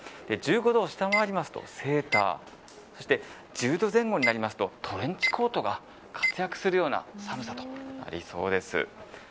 １５度を下回りますとセーターそして１０度前後になりますとトレンチコートが活躍するような寒さとなりそうです。